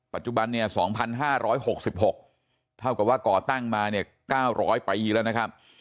ปัจจุบันเนี่ย๒๕๖๖เท่ากับว่าก่อตั้งมาเนี่ย๙๐๐ปีแล้วนะครับ